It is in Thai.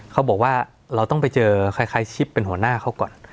เขาบอกว่าเราต้องไปเจอใครชิปเป็นหัวหน้าเขาก่อน